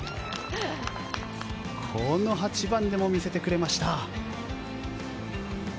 この８番でも見せてくれました。